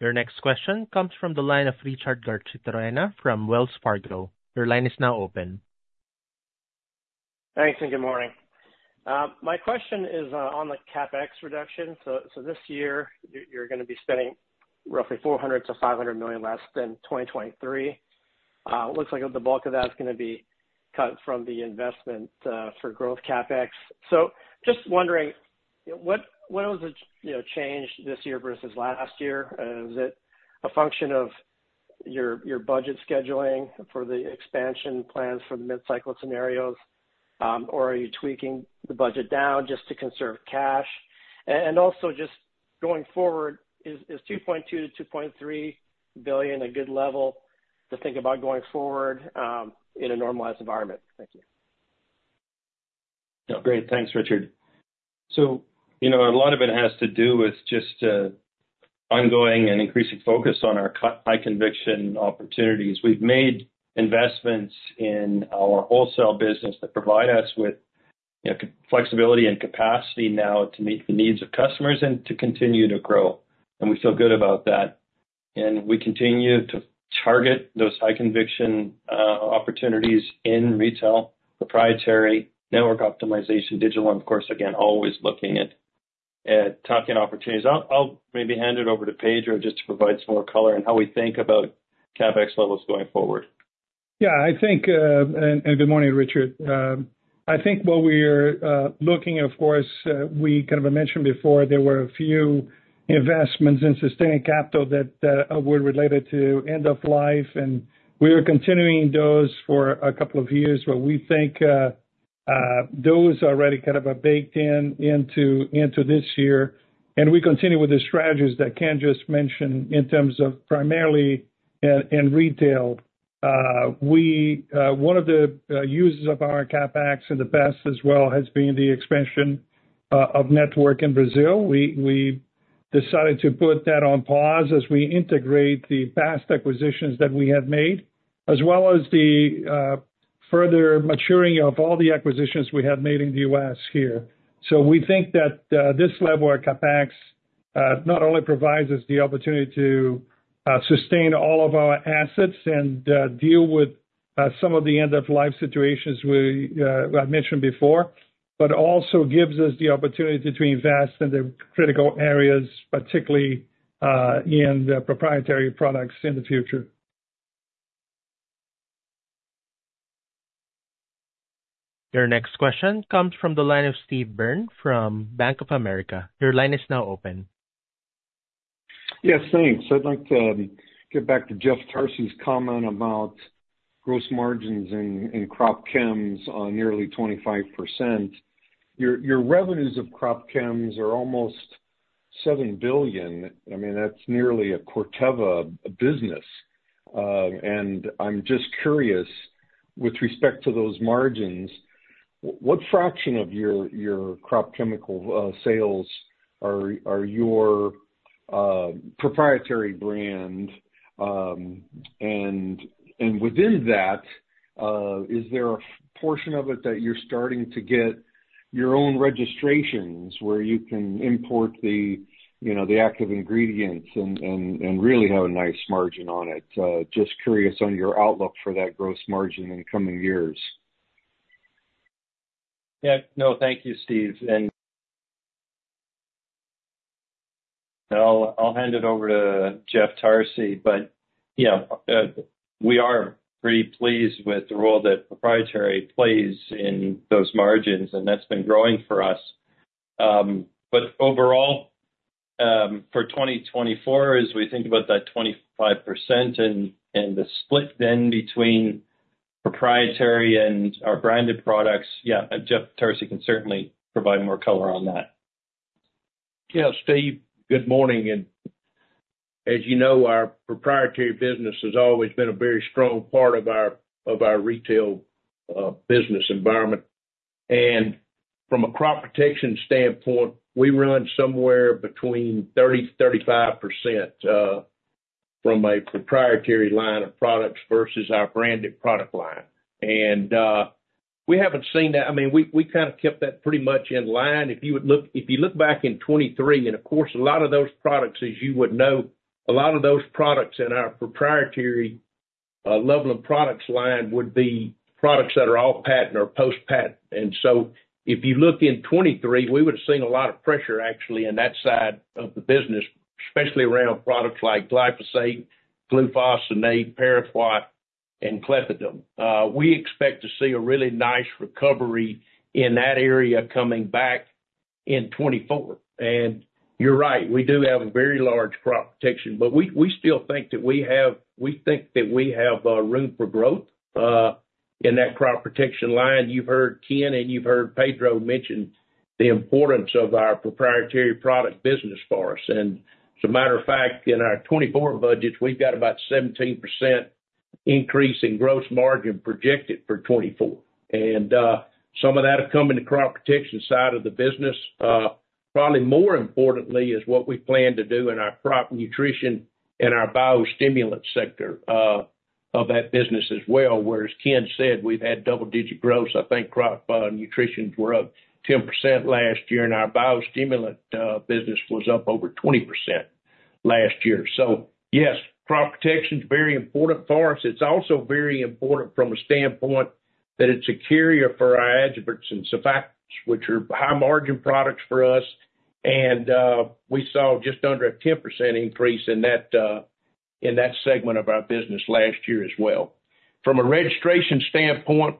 Your next question comes from the line of Richard Garchitorena from Wells Fargo. Your line is now open. Thanks, and good morning. My question is on the CapEx reduction. So this year, you're gonna be spending roughly $400 million-$500 million less than 2023. It looks like the bulk of that is gonna be cut from the investment for growth CapEx. So just wondering, yeah, what, what was the, you know, change this year versus last year? Is it a function of your, your budget scheduling for the expansion plans for the mid-cycle scenarios, or are you tweaking the budget down just to conserve cash? And, and also just going forward, is, is $2.2 billion-$2.3 billion a good level to think about going forward, in a normalized environment? Thank you. Yeah, great. Thanks, Richard. So, you know, a lot of it has to do with just ongoing and increasing focus on our high conviction opportunities. We've made investments in our wholesale business that provide us with, you know, flexibility and capacity now to meet the needs of customers and to continue to grow, and we feel good about that. And we continue to target those high conviction opportunities in retail, proprietary, network optimization, digital, and of course, again, always looking at tuck-in opportunities. I'll maybe hand it over to Pedro just to provide some more color on how we think about CapEx levels going forward. Yeah, I think, and good morning, Richard. I think what we're looking, of course, we kind of mentioned before, there were a few investments in sustaining capital that were related to end of life, and we are continuing those for a couple of years. But we think those are already kind of are baked in into this year. And we continue with the strategies that Ken just mentioned in terms of primarily in retail. One of the uses of our CapEx in the past as well has been the expansion of network in Brazil. We decided to put that on pause as we integrate the past acquisitions that we have made, as well as the further maturing of all the acquisitions we have made in the U.S. here. So we think that this level of CapEx not only provides us the opportunity to sustain all of our assets and deal with some of the end of life situations I mentioned before, but also gives us the opportunity to invest in the critical areas, particularly in the proprietary products in the future. Your next question comes from the line of Steve Byrne from Bank of America. Your line is now open. Yes, thanks. I'd like to get back to Jeff Tarsi's comment about gross margins in crop chems on nearly 25%. Your revenues of crop chems are almost $7 billion. I mean, that's nearly a Corteva business. And I'm just curious, with respect to those margins, what fraction of your crop chemical sales are your proprietary brand? And within that, is there a portion of it that you're starting to get your own registrations, where you can import the, you know, the active ingredients and really have a nice margin on it? Just curious on your outlook for that gross margin in the coming years. Yeah. No, thank you, Steve, and... I'll hand it over to Jeff Tarsi. But, yeah, we are pretty pleased with the role that proprietary plays in those margins, and that's been growing for us. But overall, for 2024, as we think about that 25% and the split then between proprietary and our branded products, yeah, Jeff Tarsi can certainly provide more color on that. Yeah, Steve, good morning. As you know, our proprietary business has always been a very strong part of our, of our retail business environment. From a crop protection standpoint, we run somewhere between 30%-35% from a proprietary line of products versus our branded product line. We haven't seen that. I mean, we, we kind of kept that pretty much in line. If you look back in 2023, and of course, a lot of those products, as you would know, a lot of those products in our proprietary level of products line would be products that are off patent or post patent. So if you look in 2023, we would have seen a lot of pressure actually in that side of the business, especially around products like glyphosate, glufosinate, pyrethroid, and clethodim. We expect to see a really nice recovery in that area coming back in 2024. You're right, we do have a very large crop protection, but we still think that we have room for growth in that crop protection line. You've heard Ken and you've heard Pedro mention the importance of our proprietary products business for us. As a matter of fact, in our 2024 budgets, we've got about 17% increase in gross margin projected for 2024. Some of that will come in the crop protection side of the business. Probably more importantly, is what we plan to do in our crop nutrition and our biostimulant sector of that business as well, where, as Ken said, we've had double-digit growth. I think crop nutrients were up 10% last year, and our biostimulant business was up over 20% last year. So yes, crop protection is very important for us. It's also very important from a standpoint that it's a carrier for our adjuvants and surfactants, which are high margin products for us, and we saw just under a 10% increase in that segment of our business last year as well. From a registration standpoint,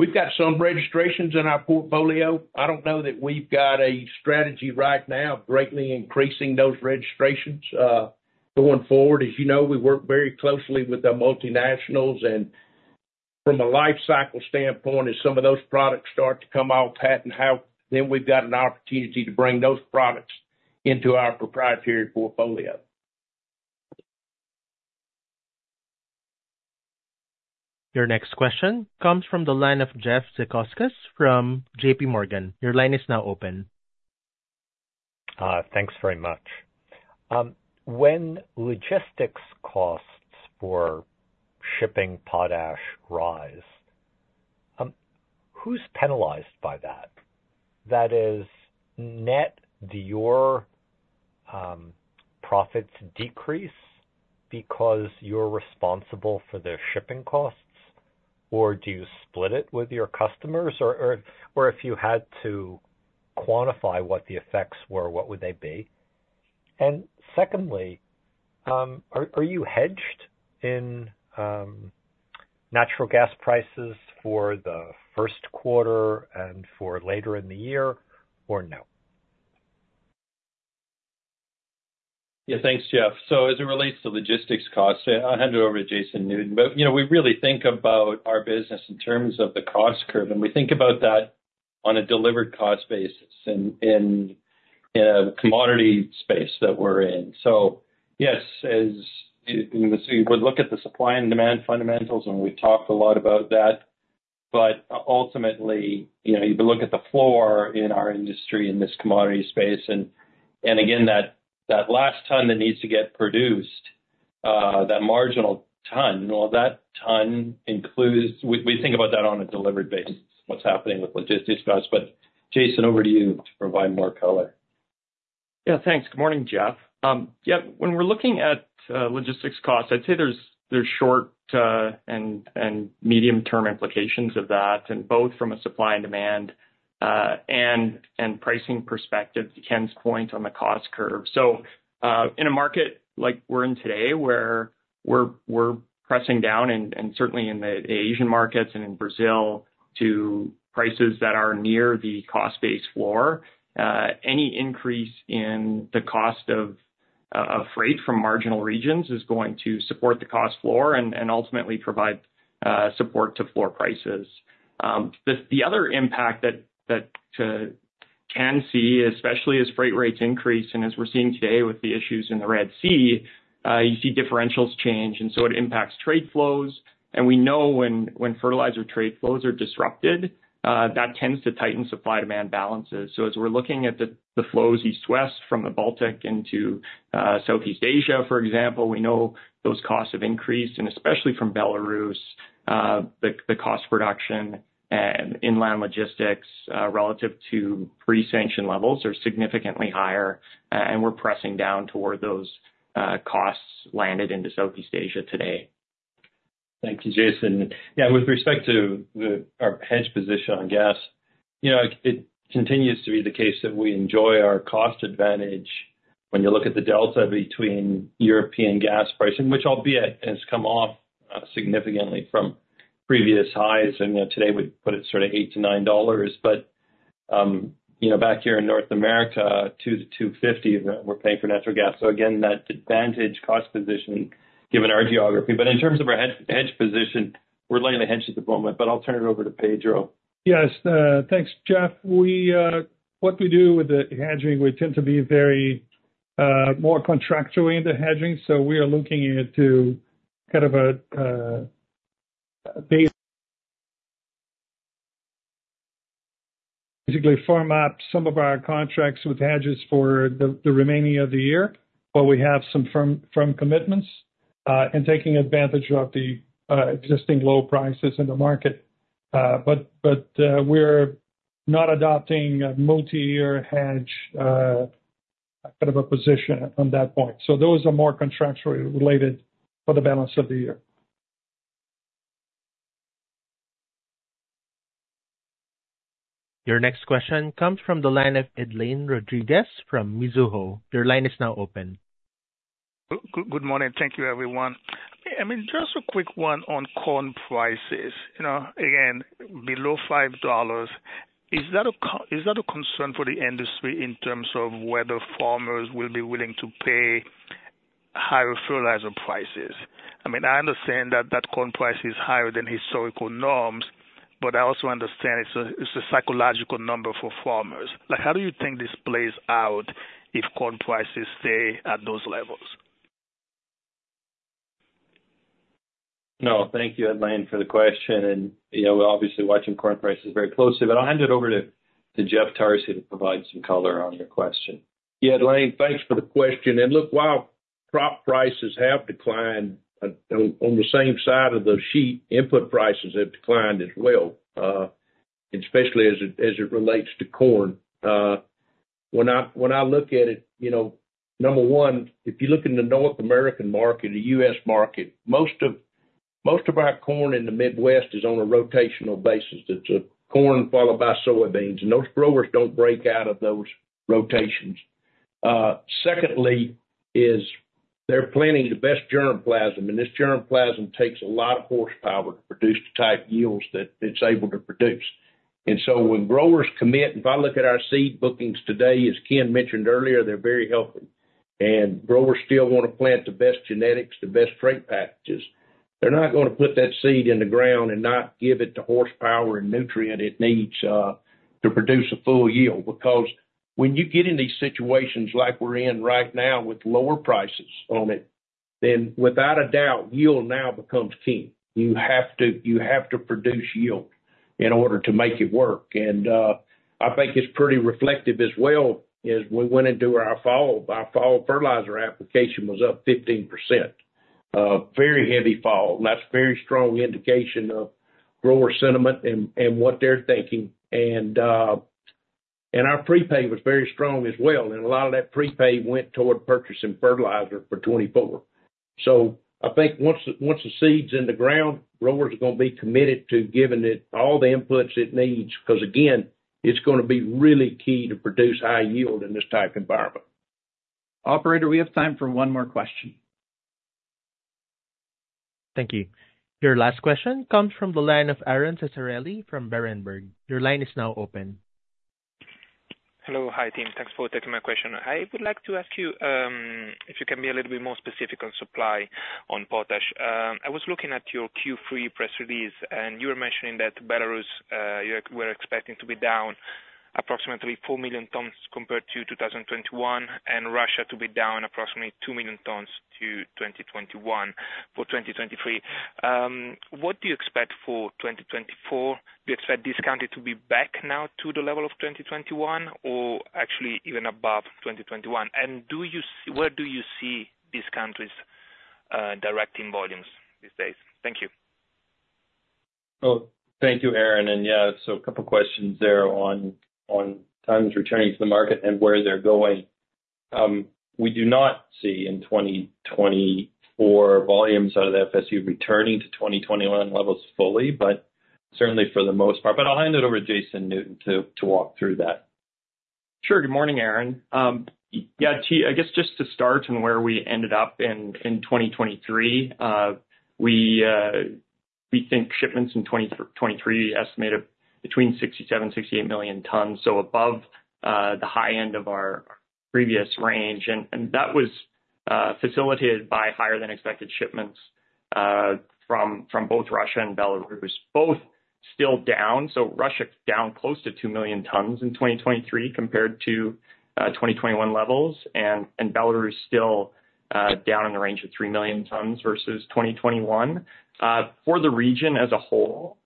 we've got some registrations in our portfolio. I don't know that we've got a strategy right now greatly increasing those registrations going forward. As you know, we work very closely with the multinationals, and from a life cycle standpoint, as some of those products start to come off patent, how then we've got an opportunity to bring those products into our proprietary portfolio. Your next question comes from the line of Jeffrey Zekauskas from JPMorgan. Your line is now open. Thanks very much. When logistics costs for shipping potash rise, who's penalized by that? That is net, do your profits decrease because you're responsible for their shipping costs? Or do you split it with your customers? Or if you had to quantify what the effects were, what would they be? And secondly, are you hedged in natural gas prices for the first quarter and for later in the year, or no? Yeah, thanks, Jeff. So as it relates to logistics costs, I'll hand it over to Jason Newton. But, you know, we really think about our business in terms of the cost curve, and we think about that on a delivered cost basis in a commodity space that we're in. So yes, as we would look at the supply and demand fundamentals, and we've talked a lot about that. But ultimately, you know, you look at the floor in our industry, in this commodity space, and again, that last ton that needs to get produced, that marginal ton, well, that ton includes. We think about that on a delivered basis, what's happening with logistics costs. But Jason, over to you to provide more color. Yeah, thanks. Good morning, Jeff. Yeah, when we're looking at logistics costs, I'd say there's short and medium-term implications of that, and both from a supply and demand and pricing perspective, to Ken's point, on the cost curve. So, in a market like we're in today, where we're pressing down, and certainly in the Asian markets and in Brazil, to prices that are near the cost base floor, any increase in the cost of freight from marginal regions is going to support the cost floor and ultimately provide support to floor prices. The other impact that can see, especially as freight rates increase and as we're seeing today with the issues in the Red Sea, you see differentials change, and so it impacts trade flows. We know when fertilizer trade flows are disrupted, that tends to tighten supply-demand balances. So as we're looking at the flows east-west from the Baltic into Southeast Asia, for example, we know those costs have increased, and especially from Belarus, the cost reduction and inland logistics relative to pre-sanction levels are significantly higher, and we're pressing down toward those costs landed into Southeast Asia today. Thank you, Jason. Yeah, with respect to our hedge position on gas, you know, it continues to be the case that we enjoy our cost advantage when you look at the delta between European gas pricing, which albeit has come off significantly from previous highs, and, you know, today we put it sort of $8-$9. But, you know, back here in North America, $2-$2.50, we're paying for natural gas. So again, that advantage cost position given our geography. But in terms of our hedge, hedge position, we're laying the hedges at the moment, but I'll turn it over to Pedro. Yes, thanks, Jeff. We, what we do with the hedging, we tend to be very, more contractually into hedging, so we are looking into kind of a, basically firm up some of our contracts with hedges for the remaining of the year, where we have some firm, firm commitments, and taking advantage of the existing low prices in the market. But, we're not adopting a multi-year hedge, kind of a position on that point. So those are more contractually related for the balance of the year. Your next question comes from the line of Edlain Rodriguez from Mizuho. Your line is now open. Good morning. Thank you, everyone. I mean, just a quick one on corn prices. You know, again, below $5, is that a concern for the industry in terms of whether farmers will be willing to pay higher fertilizer prices? I mean, I understand that that corn price is higher than historical norms, but I also understand it's a, it's a psychological number for farmers. Like, how do you think this plays out if corn prices stay at those levels? No, thank you, Edlain, for the question, and, you know, we're obviously watching corn prices very closely, but I'll hand it over to Jeff Tarsi to provide some color on your question. Yeah, Edlain, thanks for the question. Look, while crop prices have declined, on the same side of the sheet, input prices have declined as well, especially as it relates to corn. When I look at it, you know, number one, if you look in the North American market, the U.S. market, most of our corn in the Midwest is on a rotational basis. It's a corn followed by soybeans, and those growers don't break out of those rotations. Secondly, they're planting the best germplasm, and this germplasm takes a lot of horsepower to produce the type yields that it's able to produce. So when growers commit, if I look at our seed bookings today, as Ken mentioned earlier, they're very healthy. Growers still wanna plant the best genetics, the best trait packages. They're not gonna put that seed in the ground and not give it the horsepower and nutrient it needs, to produce a full yield. Because when you get in these situations like we're in right now with lower prices on it, then without a doubt, yield now becomes king. You have to, you have to produce yield in order to make it work. And, I think it's pretty reflective as well, as we went into our fall, our fall fertilizer application was up 15%. A very heavy fall, and that's a very strong indication of grower sentiment and, and what they're thinking. And, and our prepay was very strong as well, and a lot of that prepay went toward purchasing fertilizer for 2024. I think once the seed's in the ground, growers are gonna be committed to giving it all the inputs it needs, 'cause again, it's gonna be really key to produce high yield in this type environment. Operator, we have time for one more question. Thank you. Your last question comes from the line of Aron Ceccarelli from Berenberg. Your line is now open. Hello. Hi, team. Thanks for taking my question. I would like to ask you if you can be a little bit more specific on supply on potash. I was looking at your Q3 press release, and you were mentioning that Belarus you were expecting to be down approximately four million tons compared to 2021, and Russia to be down approximately two million tons to 2021 for 2023. What do you expect for 2024? Do you expect this country to be back now to the level of 2021, or actually even above 2021? And do you see where do you see these countries directing volumes these days? Thank you. Well, thank you, Aron. Yeah, so a couple questions there on tons returning to the market and where they're going. We do not see in 2024 volumes out of the FSU returning to 2021 levels fully, but certainly for the most part. I'll hand it over to Jason Newton to walk through that. Sure. Good morning, Aron. Yeah, I guess just to start from where we ended up in 2023, we think shipments in 2023 estimated between 67 and 68 million tons, so above the high end of our previous range. And that was facilitated by higher than expected shipments from both Russia and Belarus, both still down. So Russia down close to two million tons in 2023 compared to 2021 levels, and Belarus still down in the range of three million tons versus 2021. For the region as a whole,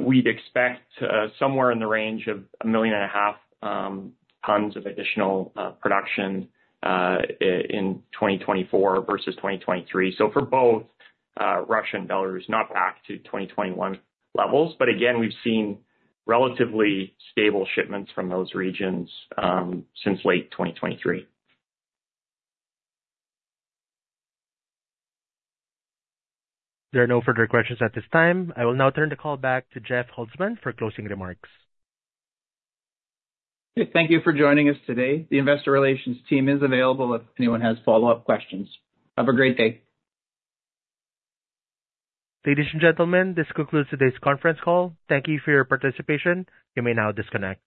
we'd expect somewhere in the range of 1.5 million tons of additional production in 2024 versus 2023. So for both Russia and Belarus, not back to 2021 levels, but again, we've seen relatively stable shipments from those regions since late 2023. There are no further questions at this time. I will now turn the call back to Jeff Holzman for closing remarks. Thank you for joining us today. The investor relations team is available if anyone has follow-up questions. Have a great day. Ladies and gentlemen, this concludes today's conference call. Thank you for your participation. You may now disconnect.